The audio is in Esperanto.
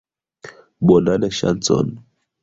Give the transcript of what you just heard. Bonan ŝancon!